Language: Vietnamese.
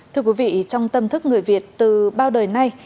thưa quý vị trong tâm thức người việt từ bao đời nay